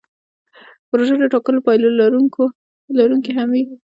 پروژه د ټاکلو پایلو لرونکې هم وي.